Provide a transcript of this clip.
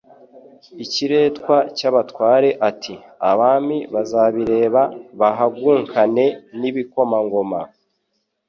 ikiretwa cy'abatware ati: Abami bazabireba bahagunkane n'ibikomangoma